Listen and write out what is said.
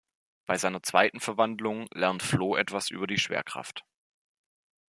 Bei seiner zweiten Verwandlung lernt Floh etwas über die Schwerkraft.